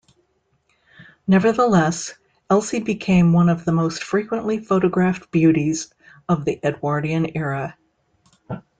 Nevertheless, Elsie became one of the most frequently photographed beauties of the Edwardian era.